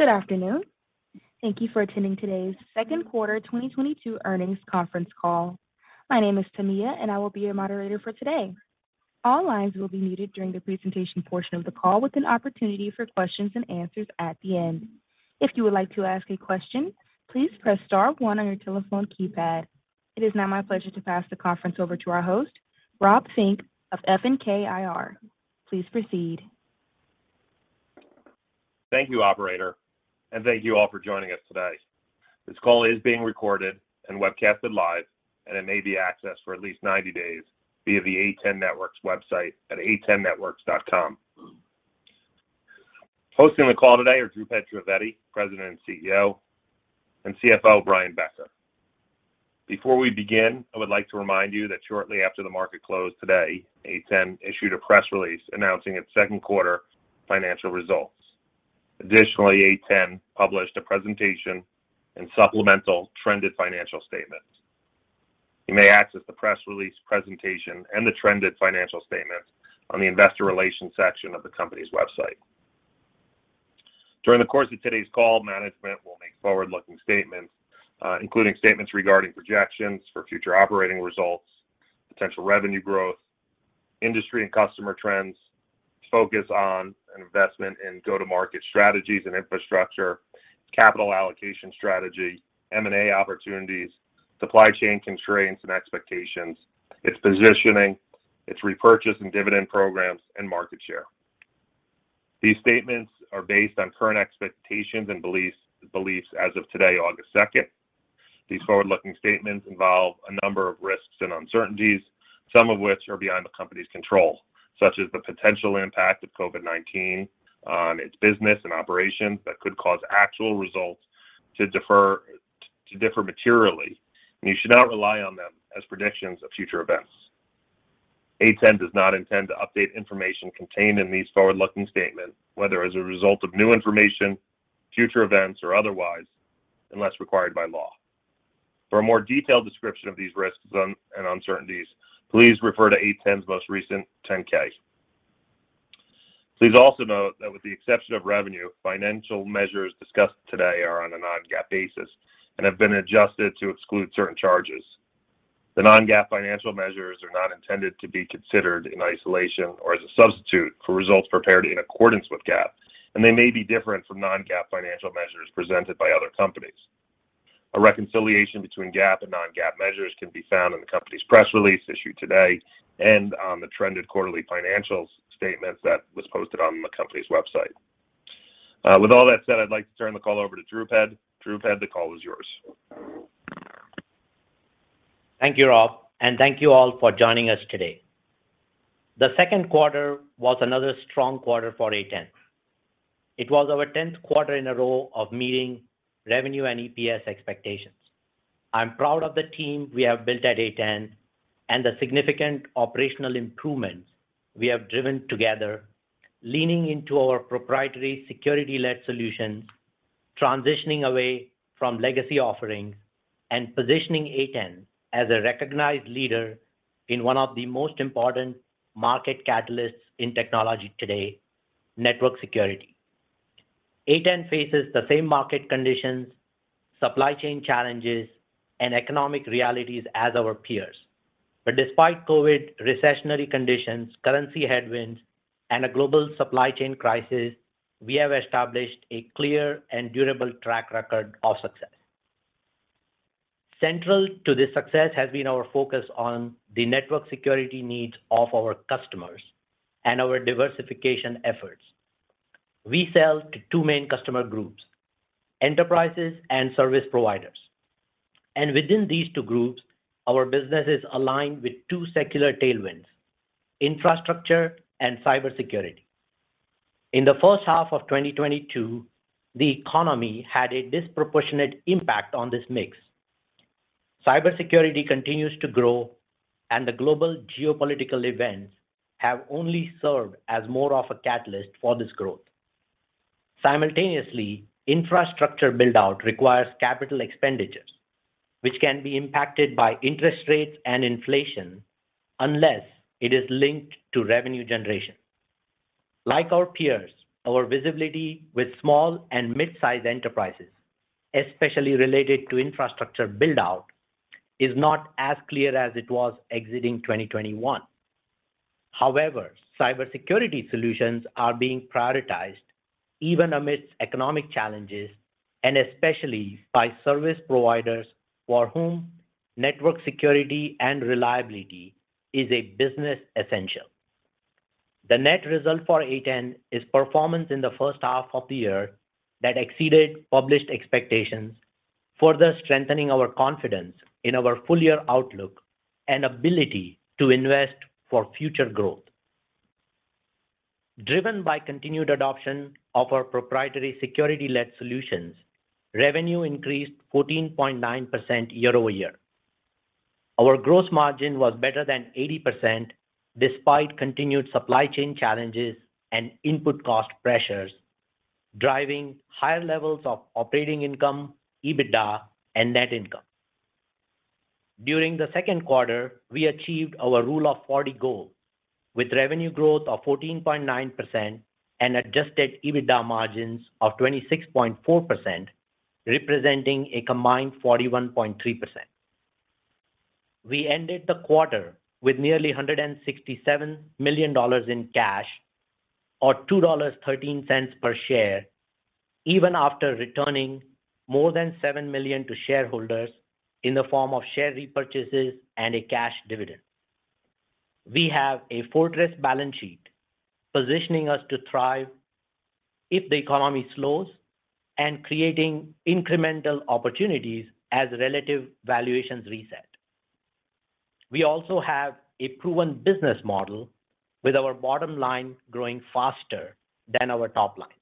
Good afternoon. Thank you for attending today's second quarter 2022 earnings conference call. My name is Tamia, and I will be your moderator for today. All lines will be muted during the presentation portion of the call with an opportunity for questions and answers at the end. If you would like to ask a question, please press star one on your telephone keypad. It is now my pleasure to pass the conference over to our host, Rob Fink of FNK IR. Please proceed. Thank you, operator, and thank you all for joining us today. This call is being recorded and webcasted live, and it may be accessed for at least 90 days via the A10 Networks website at a10networks.com. Hosting the call today are Dhrupad Trivedi, President and CEO, and CFO, Brian Becker. Before we begin, I would like to remind you that shortly after the market closed today, A10 issued a press release announcing its second quarter financial results. Additionally, A10 published a presentation and supplemental trended financial statements. You may access the press release presentation and the trended financial statements on the investor relations section of the company's website. During the course of today's call, management will make forward-looking statements, including statements regarding projections for future operating results, potential revenue growth, industry and customer trends, focus on investment in go-to-market strategies and infrastructure, capital allocation strategy, M&A opportunities, supply chain constraints and expectations, its positioning, its repurchase and dividend programs, and market share. These statements are based on current expectations and beliefs as of today, August second. These forward-looking statements involve a number of risks and uncertainties, some of which are beyond the company's control, such as the potential impact of COVID-19 on its business and operations that could cause actual results to differ materially, and you should not rely on them as predictions of future events. A10 does not intend to update information contained in these forward-looking statements, whether as a result of new information, future events, or otherwise, unless required by law. For a more detailed description of these risks and uncertainties, please refer to A10's most recent 10-K. Please also note that with the exception of revenue, financial measures discussed today are on a non-GAAP basis and have been adjusted to exclude certain charges. The non-GAAP financial measures are not intended to be considered in isolation or as a substitute for results prepared in accordance with GAAP, and they may be different from non-GAAP financial measures presented by other companies. A reconciliation between GAAP and non-GAAP measures can be found in the company's press release issued today and on the trended quarterly financials statements that was posted on the company's website. With all that said, I'd like to turn the call over to Dhrupad. Dhrupad, the call is yours. Thank you, Rob, and thank you all for joining us today. The second quarter was another strong quarter for A10. It was our tenth quarter in a row of meeting revenue and EPS expectations. I'm proud of the team we have built at A10 and the significant operational improvements we have driven together, leaning into our proprietary security-led solutions, transitioning away from legacy offerings, and positioning A10 as a recognized leader in one of the most important market catalysts in technology today, network security. A10 faces the same market conditions, supply chain challenges, and economic realities as our peers. Despite COVID, recessionary conditions, currency headwinds, and a global supply chain crisis, we have established a clear and durable track record of success. Central to this success has been our focus on the network security needs of our customers and our diversification efforts. We sell to two main customer groups, enterprises and service providers. Within these two groups, our business is aligned with two secular tailwinds, infrastructure and cybersecurity. In the first half of 2022, the economy had a disproportionate impact on this mix. Cybersecurity continues to grow, and the global geopolitical events have only served as more of a catalyst for this growth. Simultaneously, infrastructure build-out requires capital expenditures, which can be impacted by interest rates and inflation unless it is linked to revenue generation. Like our peers, our visibility with small and mid-size enterprises, especially related to infrastructure build-out, is not as clear as it was exiting 2021. However, cybersecurity solutions are being prioritized even amidst economic challenges, and especially by service providers for whom network security and reliability is a business essential. The net result for A10 is performance in the first half of the year that exceeded published expectations, further strengthening our confidence in our full-year outlook and ability to invest for future growth. Driven by continued adoption of our proprietary security-led solutions, revenue increased 14.9% year-over-year. Our gross margin was better than 80% despite continued supply chain challenges and input cost pressures, driving higher levels of operating income, EBITDA and net income. During the second quarter, we achieved our rule of forty goal with revenue growth of 14.9% and adjusted EBITDA margins of 26.4%, representing a combined 41.3%. We ended the quarter with nearly $167 million in cash or $2.13 per share, even after returning more than $7 million to shareholders in the form of share repurchases and a cash dividend. We have a fortress balance sheet positioning us to thrive if the economy slows and creating incremental opportunities as relative valuations reset. We also have a proven business model with our bottom line growing faster than our top line.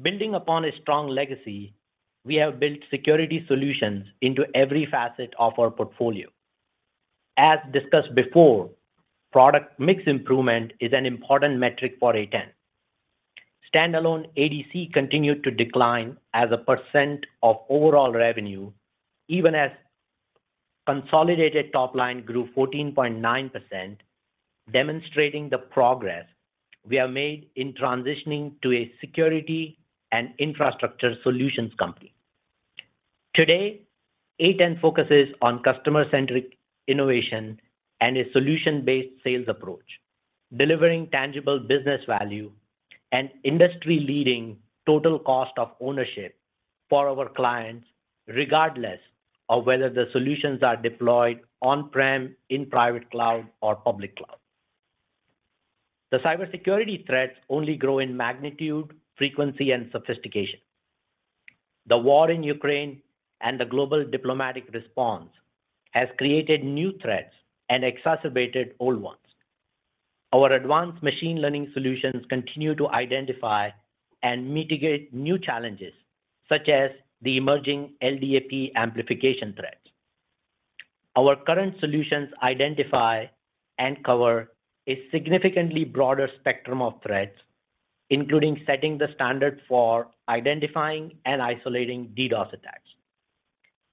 Building upon a strong legacy, we have built security solutions into every facet of our portfolio. As discussed before, product mix improvement is an important metric for A10. Standalone ADC continued to decline as a percent of overall revenue, even as consolidated top line grew 14.9%, demonstrating the progress we have made in transitioning to a security and infrastructure solutions company. Today, A10 focuses on customer-centric innovation and a solution-based sales approach, delivering tangible business value and industry-leading total cost of ownership for our clients, regardless of whether the solutions are deployed on-prem, in private cloud or public cloud. The cybersecurity threats only grow in magnitude, frequency and sophistication. The war in Ukraine and the global diplomatic response has created new threats and exacerbated old ones. Our advanced machine learning solutions continue to identify and mitigate new challenges, such as the emerging LDAP amplification threats. Our current solutions identify and cover a significantly broader spectrum of threats, including setting the standard for identifying and isolating DDoS attacks.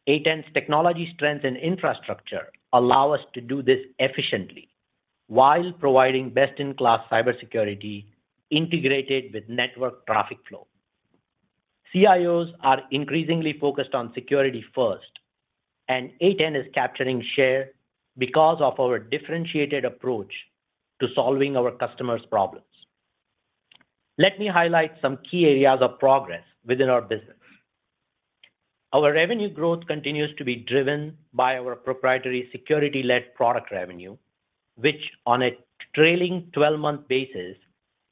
A10's technology strengths and infrastructure allow us to do this efficiently while providing best-in-class cybersecurity integrated with network traffic flow. CIOs are increasingly focused on security first, and A10 is capturing share because of our differentiated approach to solving our customers' problems. Let me highlight some key areas of progress within our business. Our revenue growth continues to be driven by our proprietary security-led product revenue, which on a trailing twelve-month basis,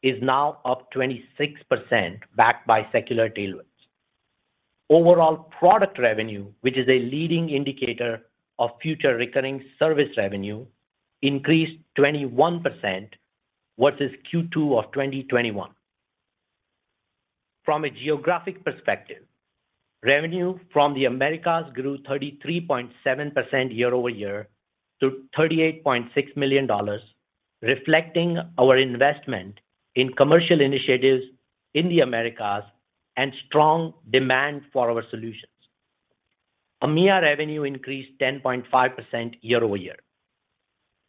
is now up 26%, backed by secular tailwinds. Overall product revenue, which is a leading indicator of future recurring service revenue, increased 21% versus Q2 of 2021. From a geographic perspective, revenue from the Americas grew 33.7% year-over-year to $38.6 million, reflecting our investment in commercial initiatives in the Americas and strong demand for our solutions. EMEA revenue increased 10.5% year-over-year.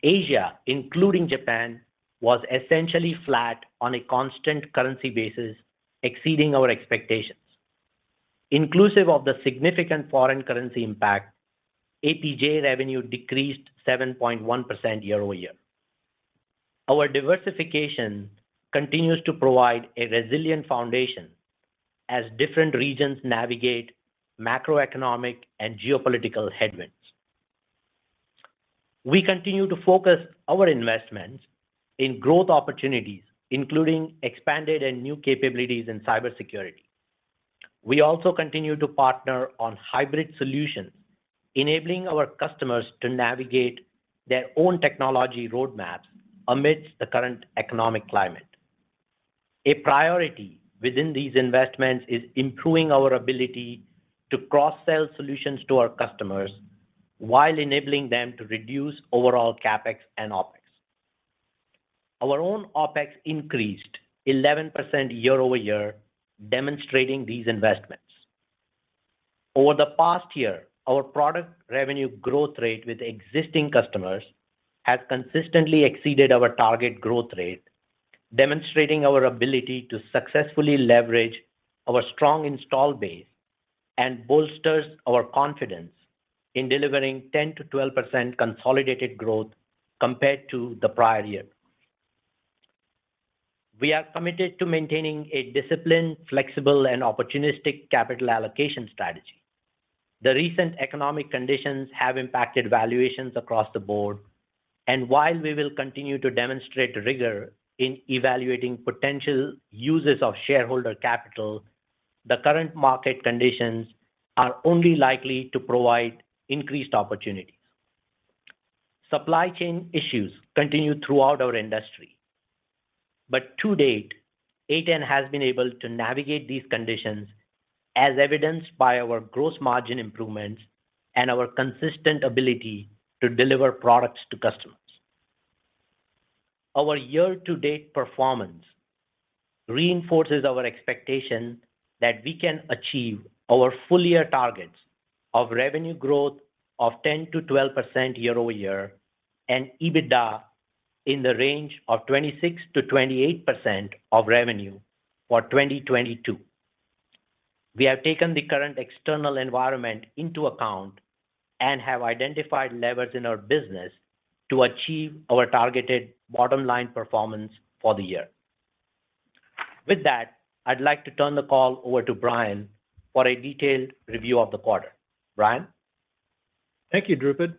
Asia, including Japan, was essentially flat on a constant currency basis, exceeding our expectations. Inclusive of the significant foreign currency impact, APJ revenue decreased 7.1% year-over-year. Our diversification continues to provide a resilient foundation as different regions navigate macroeconomic and geopolitical headwinds. We continue to focus our investments in growth opportunities, including expanded and new capabilities in cybersecurity. We also continue to partner on hybrid solutions, enabling our customers to navigate their own technology roadmaps amidst the current economic climate. A priority within these investments is improving our ability to cross-sell solutions to our customers while enabling them to reduce overall CapEx and OpEx. Our own OpEx increased 11% year-over-year, demonstrating these investments. Over the past year, our product revenue growth rate with existing customers has consistently exceeded our target growth rate, demonstrating our ability to successfully leverage our strong install base and bolsters our confidence in delivering 10%-12% consolidated growth compared to the prior year. We are committed to maintaining a disciplined, flexible, and opportunistic capital allocation strategy. The recent economic conditions have impacted valuations across the board, and while we will continue to demonstrate rigor in evaluating potential uses of shareholder capital, the current market conditions are only likely to provide increased opportunities. Supply chain issues continue throughout our industry. To date, A10 has been able to navigate these conditions as evidenced by our gross margin improvements and our consistent ability to deliver products to customers. Our year-to-date performance reinforces our expectation that we can achieve our full year targets of revenue growth of 10%-12% year-over-year and EBITDA in the range of 26%-28% of revenue for 2022. We have taken the current external environment into account and have identified levers in our business to achieve our targeted bottom line performance for the year. With that, I'd like to turn the call over to Brian for a detailed review of the quarter. Brian? Thank you, Dhrupad.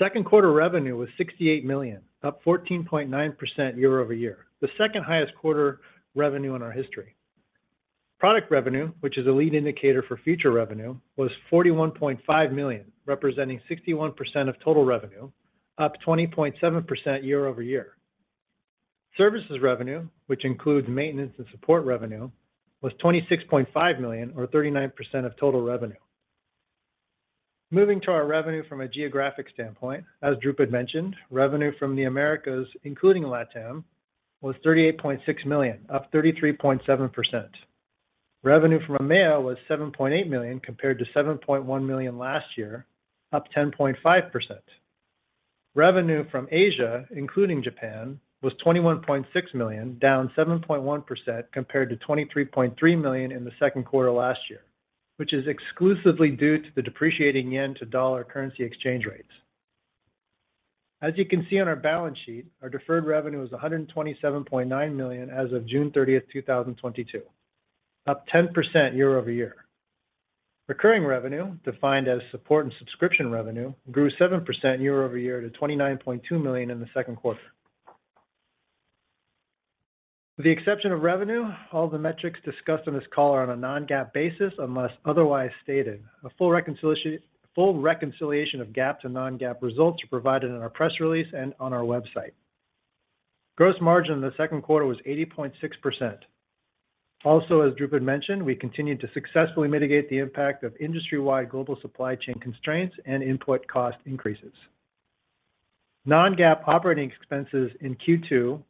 Second quarter revenue was $68 million, up 14.9% year-over-year, the second highest quarter revenue in our history. Product revenue, which is a lead indicator for future revenue, was $41.5 million, representing 61% of total revenue, up 20.7% year-over-year. Services revenue, which includes maintenance and support revenue, was $26.5 million, or 39% of total revenue. Moving to our revenue from a geographic standpoint, as Dhrupad mentioned, revenue from the Americas, including Latam, was $38.6 million, up 33.7%. Revenue from EMEA was $7.8 million compared to $7.1 million last year, up 10.5%. Revenue from Asia, including Japan, was $21.6 million, down 7.1% compared to $23.3 million in the second quarter last year, which is exclusively due to the depreciating yen-to-dollar currency exchange rates. As you can see on our balance sheet, our deferred revenue is $127.9 million as of June 30, 2022, up 10% year-over-year. Recurring revenue, defined as support and subscription revenue, grew 7% year-over-year to $29.2 million in the second quarter. With the exception of revenue, all the metrics discussed on this call are on a non-GAAP basis unless otherwise stated. A full reconciliation of GAAP to non-GAAP results are provided in our press release and on our website. Gross margin in the second quarter was 80.6%. As Dhrupad mentioned, we continued to successfully mitigate the impact of industry-wide global supply chain constraints and input cost increases. Non-GAAP operating expenses in Q2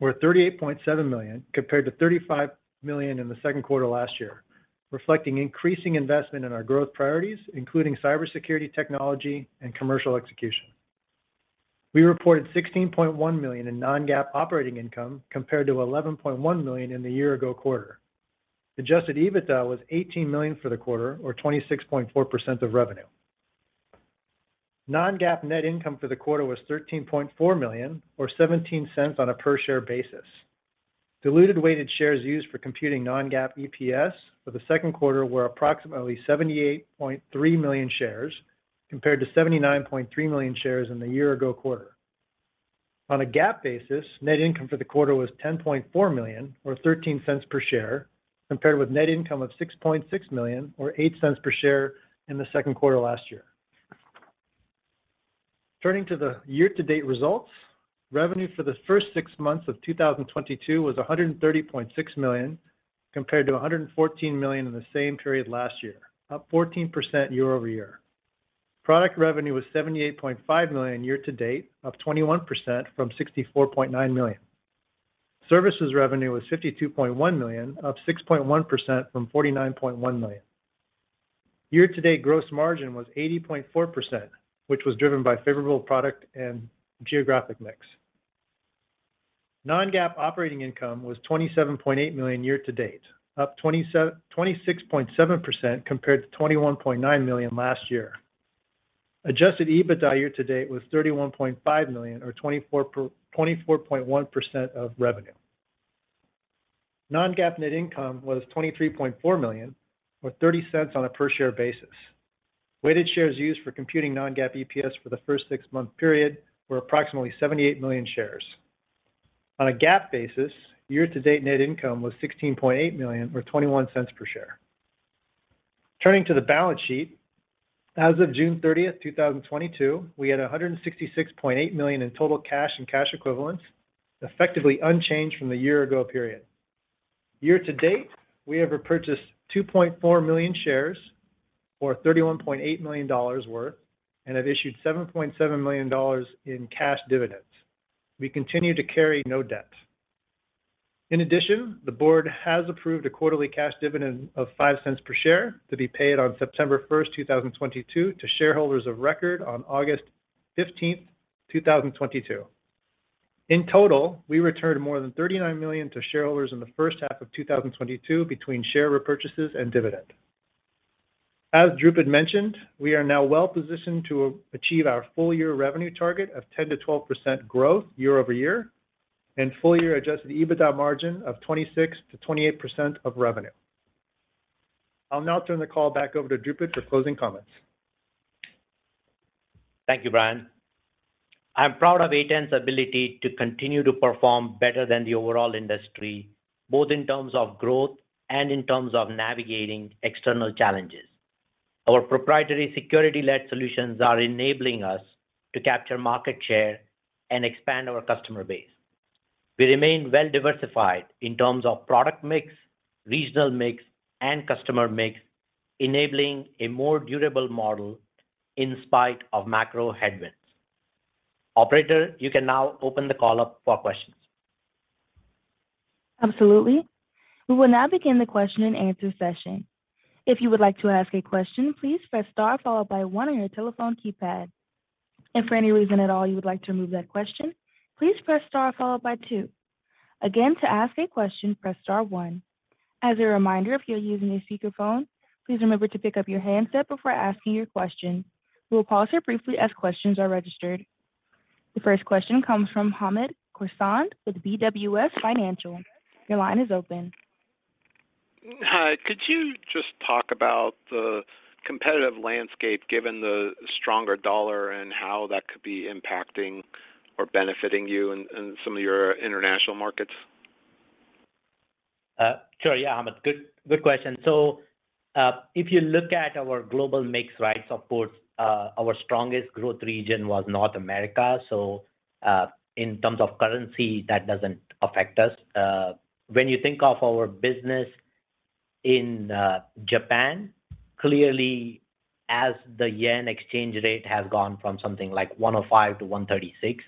were $38.7 million, compared to $35 million in the second quarter last year, reflecting increasing investment in our growth priorities, including cybersecurity technology and commercial execution. We reported $16.1 million in non-GAAP operating income compared to $11.1 million in the year-ago quarter. Adjusted EBITDA was $18 million for the quarter or 26.4% of revenue. Non-GAAP net income for the quarter was $13.4 million, or $0.17 on a per share basis. Diluted weighted shares used for computing non-GAAP EPS for the second quarter were approximately 78.3 million shares compared to 79.3 million shares in the year-ago quarter. On a GAAP basis, net income for the quarter was $10.4 million or $0.13 per share, compared with net income of $6.6 million or $0.08 per share in the second quarter last year. Turning to the year-to-date results, revenue for the first six months of 2022 was $130.6 million, compared to $114 million in the same period last year, up 14% year-over-year. Product revenue was $78.5 million year to date, up 21% from $64.9 million. Services revenue was $52.1 million, up 6.1% from $49.1 million. Year to date, gross margin was 80.4%, which was driven by favorable product and geographic mix. Non-GAAP operating income was $27.8 million year to date, up 26.7% compared to $21.9 million last year. Adjusted EBITDA year to date was $31.5 million or 24.1% of revenue. Non-GAAP net income was $23.4 million, or $0.30 on a per share basis. Weighted shares used for computing non-GAAP EPS for the first six-month period were approximately 78 million shares. On a GAAP basis, year to date net income was $16.8 million or $0.21 per share. Turning to the balance sheet. As of June 30th, 2022, we had $166.8 million in total cash and cash equivalents, effectively unchanged from the year ago period. Year to date, we have repurchased 2.4 million shares or $31.8 million worth, and have issued $7.7 million in cash dividends. We continue to carry no debt. In addition, the board has approved a quarterly cash dividend of $0.05 per share to be paid on September 1, 2022 to shareholders of record on August 15, 2022. In total, we returned more than $39 million to shareholders in the first half of 2022 between share repurchases and dividend. As Dhrupad mentioned, we are now well-positioned to achieve our full-year revenue target of 10%-12% growth year-over-year and full-year adjusted EBITDA margin of 26%-28% of revenue. I'll now turn the call back over to Dhrupad for closing comments. Thank you, Brian. I'm proud of A10's ability to continue to perform better than the overall industry, both in terms of growth and in terms of navigating external challenges. Our proprietary security-led solutions are enabling us to capture market share and expand our customer base. We remain well diversified in terms of product mix, regional mix, and customer mix, enabling a more durable model in spite of macro headwinds. Operator, you can now open the call up for questions. Absolutely. We will now begin the question and answer session. If you would like to ask a question, please press star followed by one on your telephone keypad. If for any reason at all you would like to remove that question, please press star followed by two. Again, to ask a question, press star one. As a reminder, if you're using a speakerphone, please remember to pick up your handset before asking your question. We will pause here briefly as questions are registered. The first question comes from Hamed Khorsand with BWS Financial. Your line is open. Hi. Could you just talk about the competitive landscape, given the stronger US dollar, and how that could be impacting or benefiting you in some of your international markets? Sure. Yeah, Hamed. Good question. If you look at our global mix, right, of course, our strongest growth region was North America, in terms of currency, that doesn't affect us. When you think of our business in Japan, clearly as the yen exchange rate has gone from something like 105 to 136,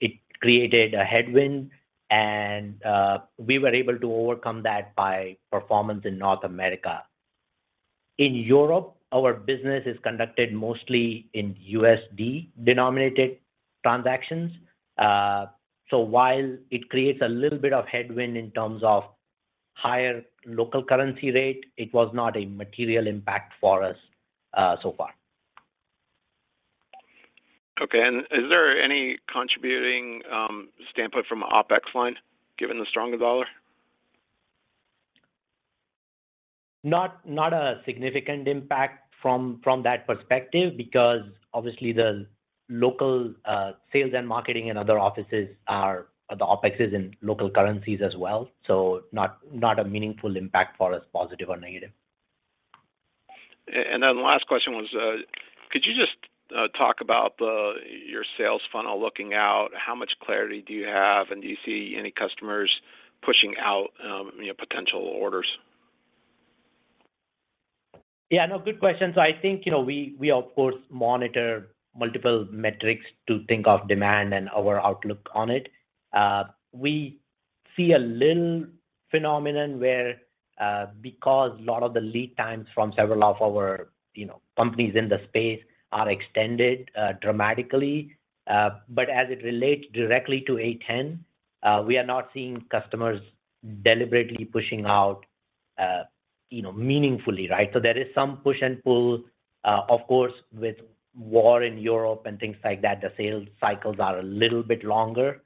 it created a headwind, and we were able to overcome that by performance in North America. In Europe, our business is conducted mostly in USD-denominated transactions. While it creates a little bit of headwind in terms of higher local currency rate, it was not a material impact for us so far. Okay. Is there any contributing standpoint from the OpEx line given the stronger dollar? Not a significant impact from that perspective because obviously the local sales and marketing and other offices are, the OpEx is in local currencies as well, so not a meaningful impact for us, positive or negative. The last question was, could you just talk about your sales funnel looking out? How much clarity do you have, and do you see any customers pushing out, you know, potential orders? Yeah, no, good question. I think, you know, we of course monitor multiple metrics to think of demand and our outlook on it. We see a little phenomenon where, because a lot of the lead times from several of our, you know, companies in the space are extended, dramatically. As it relates directly to A10, we are not seeing customers deliberately pushing out, you know, meaningfully, right? There is some push and pull. Of course, with war in Europe and things like that, the sales cycles are a little bit longer,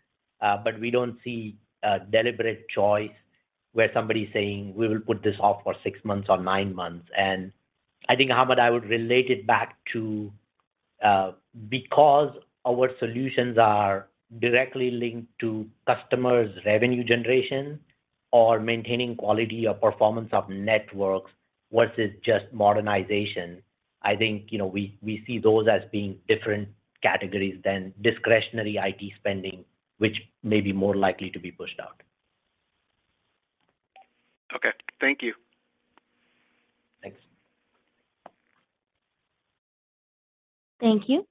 but we don't see a deliberate choice where somebody's saying, "We will put this off for six months or nine months." I think, Hamed, I would relate it back to, because our solutions are directly linked to customers' revenue generation or maintaining quality or performance of networks versus just modernization, I think, you know, we see those as being different categories than discretionary IT spending, which may be more likely to be pushed out. Okay. Thank you. Thanks. Thank you.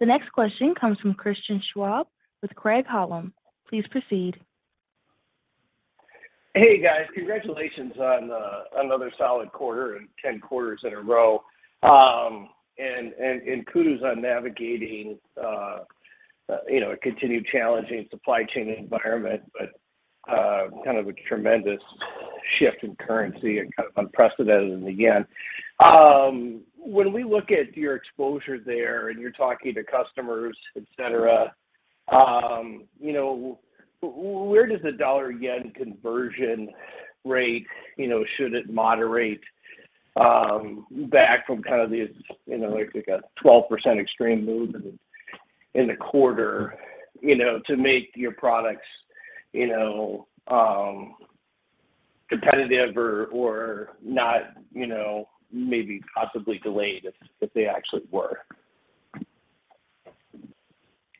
The next question comes from Christian Schwab with Craig-Hallum. Please proceed. Hey, guys. Congratulations on another solid quarter and 10 quarters in a row. Kudos on navigating you know a continued challenging supply chain environment, but kind of a tremendous shift in currency and kind of unprecedented in the yen. When we look at your exposure there and you're talking to customers, et cetera, you know where does the dollar yen conversion rate you know should it moderate back from kind of these you know like a 12% extreme movement in the quarter you know to make your products you know competitive or not you know maybe possibly delayed if they actually were?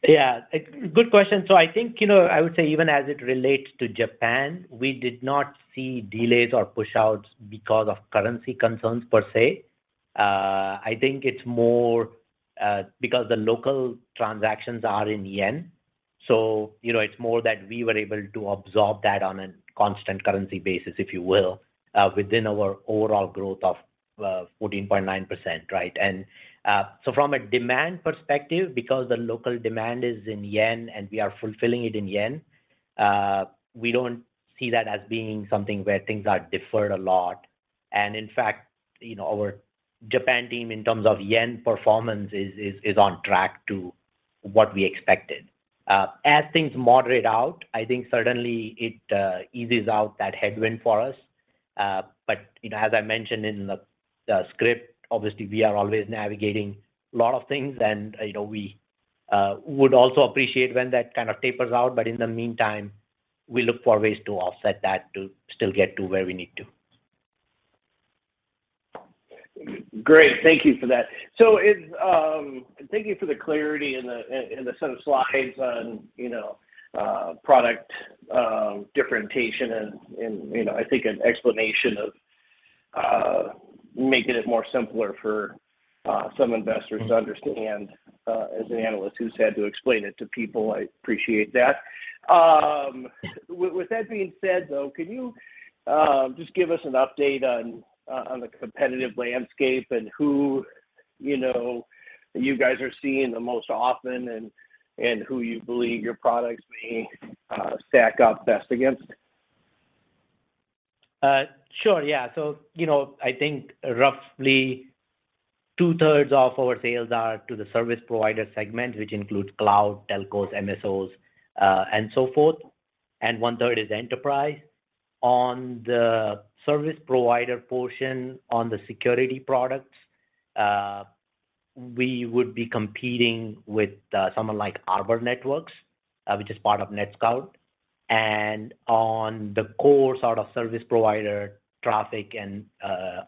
Yeah. Good question. I think, you know, I would say even as it relates to Japan, we did not see delays or push-outs because of currency concerns per se. I think it's more, because the local transactions are in yen, so, you know, it's more that we were able to absorb that on a constant currency basis, if you will, within our overall growth of 14.9%, right? From a demand perspective, because the local demand is in yen and we are fulfilling it in yen, we don't see that as being something where things are deferred a lot. In fact, you know, our Japan team in terms of yen performance is on track to what we expected. As things moderate out, I think certainly it eases out that headwind for us. You know, as I mentioned in the script, obviously we are always navigating a lot of things and, you know, we would also appreciate when that kind of tapers out. In the meantime, we look for ways to offset that to still get to where we need to. Great. Thank you for that. Thank you for the clarity and the set of slides on, you know, product differentiation and, you know, I think an explanation of making it more simpler for some investors to understand, as an analyst who's had to explain it to people. I appreciate that. With that being said, though, can you just give us an update on the competitive landscape and who, you know, you guys are seeing the most often and who you believe your products may stack up best against? Sure, yeah. You know, I think roughly 2/3 of our sales are to the service provider segment, which includes cloud, telcos, MSOs, and so forth, and 1/3 is enterprise. On the service provider portion on the security products, we would be competing with someone like Arbor Networks, which is part of NetScout. On the core sort of service provider traffic and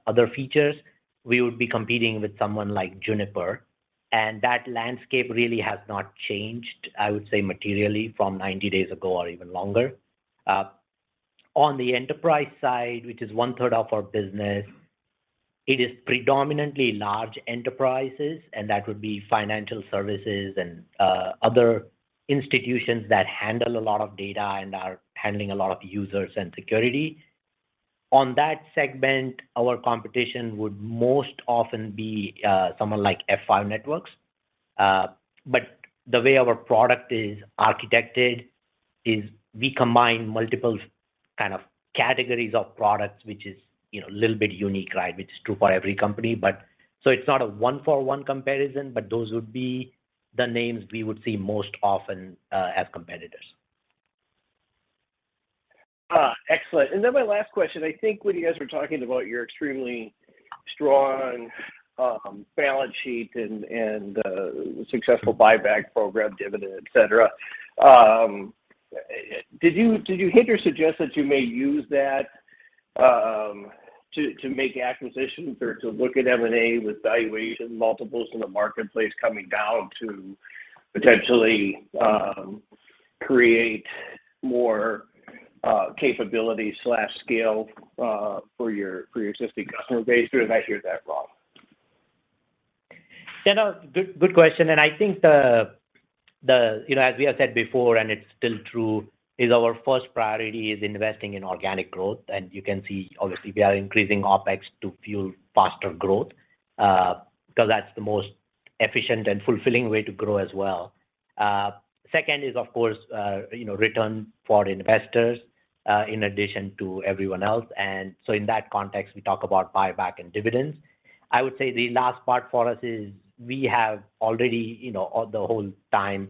other features, we would be competing with someone like Juniper, and that landscape really has not changed, I would say, materially from 90 days ago or even longer. On the enterprise side, which is 1/3 of our business, it is predominantly large enterprises, and that would be financial services and other institutions that handle a lot of data and are handling a lot of users and security. On that segment, our competition would most often be someone like F5 Networks. The way our product is architected is we combine multiple kind of categories of products, which is, you know, a little bit unique, right? Which is true for every company, but so it's not a one-for-one comparison, but those would be the names we would see most often as competitors. Excellent. Then my last question, I think when you guys were talking about your extremely strong balance sheet and successful buyback program, dividend, et cetera, did you hint or suggest that you may use that to make acquisitions or to look at M&A with valuation multiples in the marketplace coming down to potentially create more capability/scale for your existing customer base, or did I hear that wrong? Yeah, no, good question. I think you know, as we have said before, and it's still true, is our first priority is investing in organic growth. You can see obviously we are increasing OpEx to fuel faster growth, because that's the most efficient and fulfilling way to grow as well. Second is, of course, you know, return for investors, in addition to everyone else. In that context, we talk about buyback and dividends. I would say the last part for us is we have already, you know, all the whole time,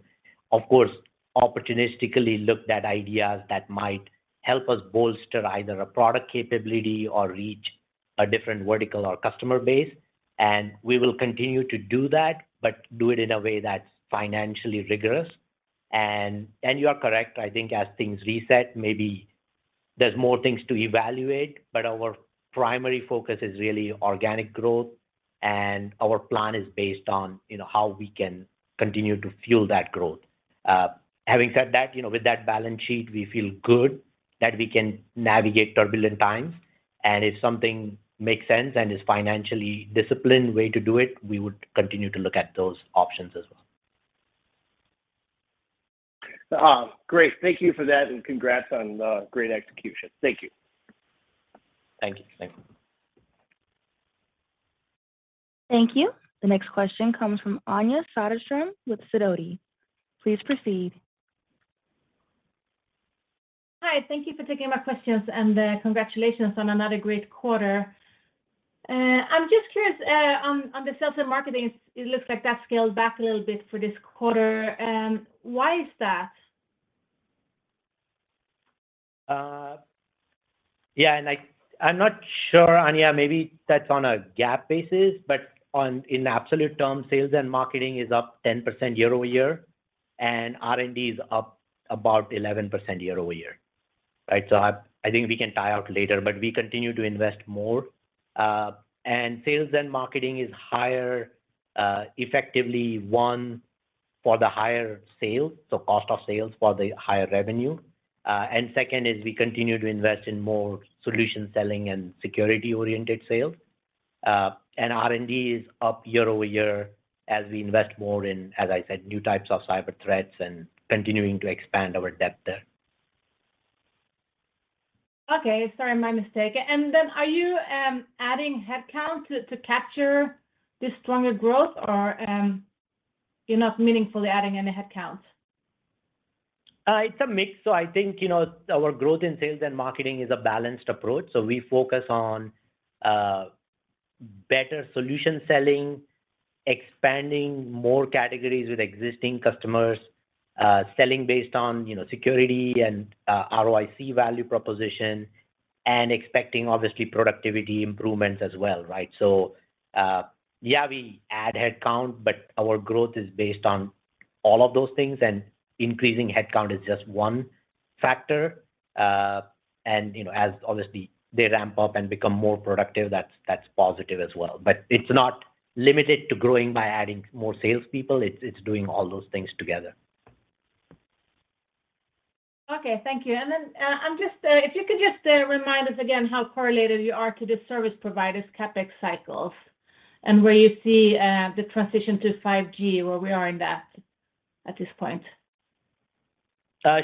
of course, opportunistically looked at ideas that might help us bolster either a product capability or reach a different vertical or customer base. We will continue to do that, but do it in a way that's financially rigorous. You are correct. I think as things reset, maybe there's more things to evaluate, but our primary focus is really organic growth, and our plan is based on, you know, how we can continue to fuel that growth. Having said that, you know, with that balance sheet, we feel good that we can navigate turbulent times. If something makes sense and is financially disciplined way to do it, we would continue to look at those options as well. Great. Thank you for that, and congrats on the great execution. Thank you. Thank you. Thank you. Thank you. The next question comes from Anja Soderstrom with Sidoti. Please proceed. Hi, thank you for taking my questions, and congratulations on another great quarter. I'm just curious, on the sales and marketing, it looks like that scaled back a little bit for this quarter. Why is that? I'm not sure, Anja. Maybe that's on a GAAP basis, but in absolute terms, sales and marketing is up 10% year-over-year, and R&D is up about 11% year-over-year. I think we can tie out later, but we continue to invest more. Sales and marketing is higher, effectively, one, for the higher sales, so cost of sales for the higher revenue. Second is we continue to invest in more solution selling and security-oriented sales. R&D is up year-over-year as we invest more, as I said, in new types of cyber threats and continuing to expand our depth there. Okay. Sorry, my mistake. Are you adding headcount to capture this stronger growth or you're not meaningfully adding any headcounts? It's a mix. I think, you know, our growth in sales and marketing is a balanced approach. We focus on better solution selling, expanding more categories with existing customers, selling based on, you know, security and ROIC value proposition, and expecting obviously productivity improvements as well, right? Yeah, we add headcount, but our growth is based on all of those things, and increasing headcount is just one factor. You know, as obviously they ramp up and become more productive, that's positive as well. It's not limited to growing by adding more salespeople. It's doing all those things together. Okay. Thank you. If you could just remind us again how correlated you are to the service providers' CapEx cycles and where you see the transition to 5G, where we are in that at this point? I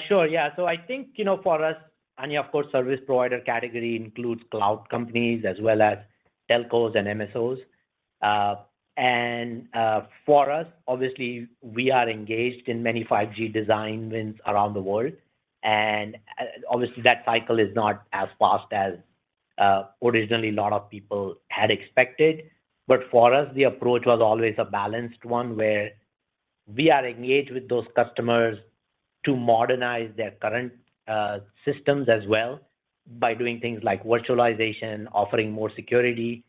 think, you know, for us, Anja, of course, service provider category includes cloud companies as well as telcos and MSOs. For us, obviously we are engaged in many 5G design wins around the world. Obviously that cycle is not as fast as originally a lot of people had expected. But for us, the approach was always a balanced one, where we are engaged with those customers to modernize their current systems as well by doing things like virtualization, offering more security.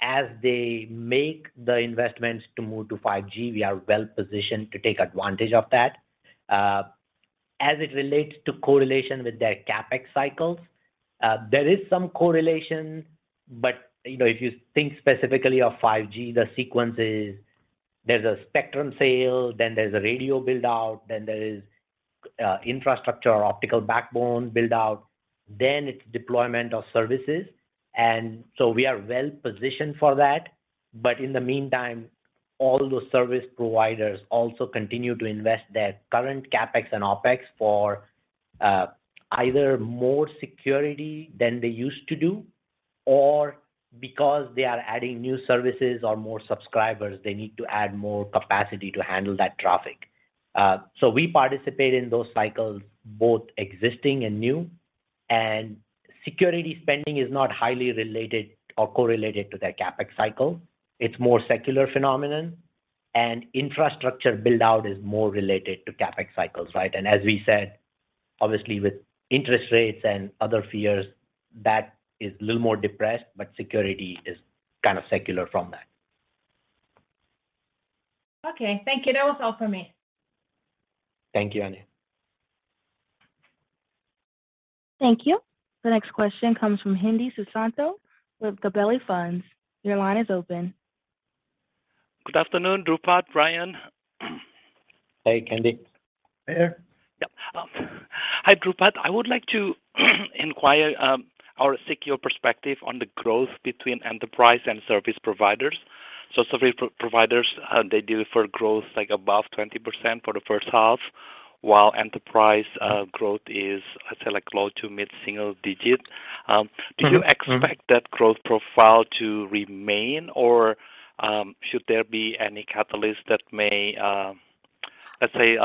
As they make the investments to move to 5G, we are well-positioned to take advantage of that. As it relates to correlation with their CapEx cycles, there is some correlation, but, you know, if you think specifically of 5G, the sequence is there's a spectrum sale, then there's a radio build-out, then there is infrastructure, optical backbone build-out, then it's deployment of services. We are well-positioned for that. In the meantime, all those service providers also continue to invest their current CapEx and OpEx for either more security than they used to do, or because they are adding new services or more subscribers, they need to add more capacity to handle that traffic. We participate in those cycles, both existing and new. Security spending is not highly related or correlated to their CapEx cycle. It's more secular phenomenon. Infrastructure build-out is more related to CapEx cycles, right? as we said, obviously with interest rates and other fears, that is a little more depressed, but security is kind of secular from that. Okay. Thank you. That was all for me. Thank you, Anja. Thank you. The next question comes from Hendi Susanto with Gabelli Funds. Your line is open. Good afternoon, Dhrupad, Brian. Hey, Hendi. Hey there. Yep. Hi, Dhrupad. I would like to inquire or seek your perspective on the growth between enterprise and service providers. Service providers deliver growth like above 20% for the first half, while enterprise growth is, I'd say, like low- to mid-single-digit. Mm-hmm. Mm-hmm Do you expect that growth profile to remain? Or, should there be any catalyst that may, let's say,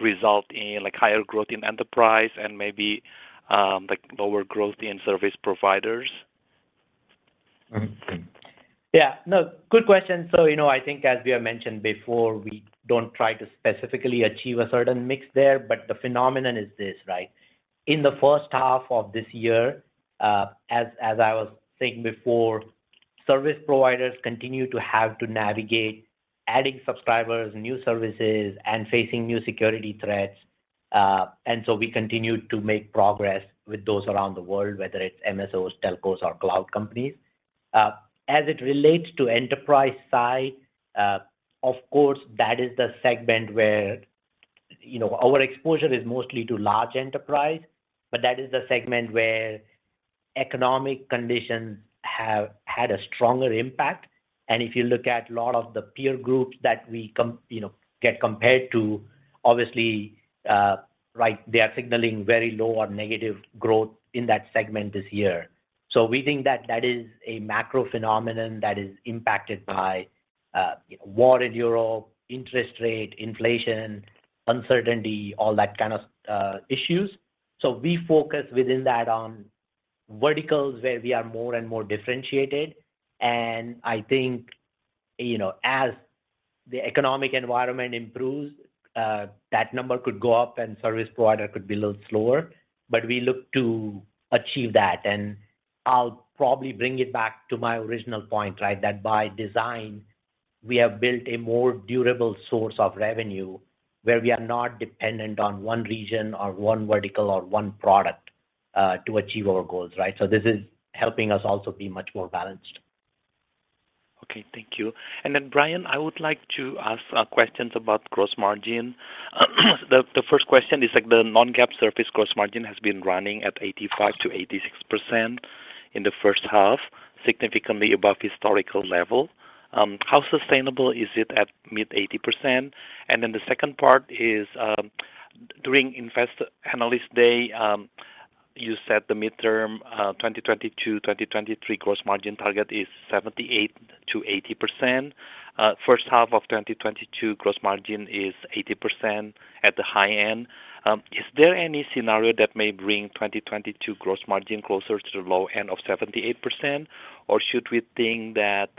result in, like higher growth in enterprise and maybe, like lower growth in service providers? Mm-hmm. Yeah. No, good question. You know, I think as we have mentioned before, we don't try to specifically achieve a certain mix there, but the phenomenon is this, right? In the first half of this year, as I was saying before, service providers continue to have to navigate adding subscribers, new services, and facing new security threats. We continue to make progress with those around the world, whether it's MSOs, telcos, or cloud companies. As it relates to enterprise side, of course, that is the segment where our exposure is mostly to large enterprise, but that is the segment where economic conditions have had a stronger impact. If you look at a lot of the peer groups that we com... You know, get compared to, obviously, right, they are signaling very low or negative growth in that segment this year. We think that is a macro phenomenon that is impacted by war in Europe, interest rate, inflation, uncertainty, all that kind of issues. We focus within that on verticals where we are more and more differentiated. I think, you know, as the economic environment improves, that number could go up and service provider could be a little slower. We look to achieve that. I'll probably bring it back to my original point, right? That by design, we have built a more durable source of revenue where we are not dependent on one region or one vertical or one product to achieve our goals, right? This is helping us also be much more balanced. Okay. Thank you. Brian, I would like to ask questions about gross margin. The first question is, like the non-GAAP service gross margin has been running at 85%-86% in the first half, significantly above historical level. How sustainable is it at mid-80%? The second part is, during analyst day, you said the midterm 2020-2023 gross margin target is 78%-80%. First half of 2022 gross margin is 80% at the high end. Is there any scenario that may bring 2022 gross margin closer to the low end of 78%? Or should we think that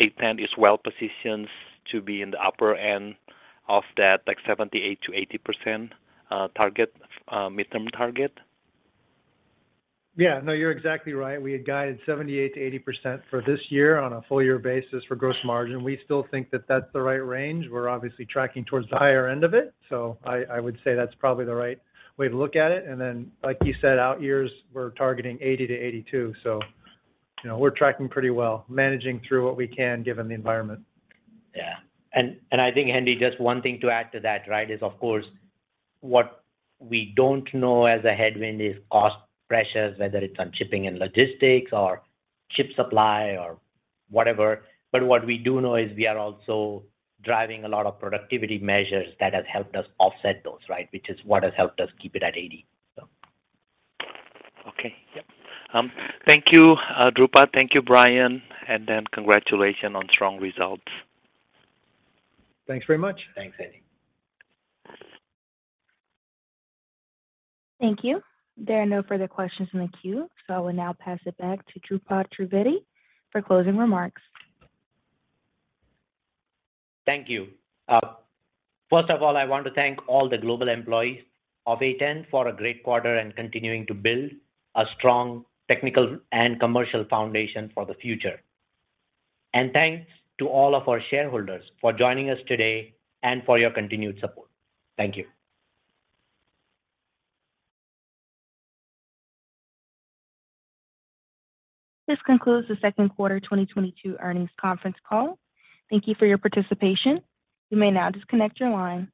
80% is well-positioned to be in the upper end of that, like 78%-80% target, midterm target? Yeah. No, you're exactly right. We had guided 78%-80% for this year on a full year basis for gross margin. We still think that that's the right range. We're obviously tracking towards the higher end of it. I would say that's probably the right way to look at it. Like you said, out years, we're targeting 80%-82%. You know, we're tracking pretty well, managing through what we can given the environment. Yeah. I think, Hendi, just one thing to add to that, right, is of course what we don't know as a headwind is cost pressures, whether it's on shipping and logistics or chip supply or whatever. What we do know is we are also driving a lot of productivity measures that has helped us offset those, right, which is what has helped us keep it at 80%, so. Okay. Yep. Thank you, Dhrupad. Thank you, Brian. Congratulations on strong results. Thanks very much. Thanks, Hendi. Thank you. There are no further questions in the queue, so I will now pass it back to Dhrupad Trivedi for closing remarks. Thank you. First of all, I want to thank all the global employees of A10 for a great quarter and continuing to build a strong technical and commercial foundation for the future. Thanks to all of our shareholders for joining us today and for your continued support. Thank you. This concludes the second quarter 2022 earnings conference call. Thank you for your participation. You may now disconnect your line.